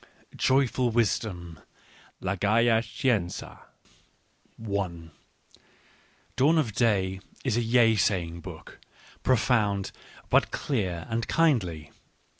" Joyful Wisdom : La Gaya Scienza " Dawn of Day is a yea saying book, profound, but clear and kindly.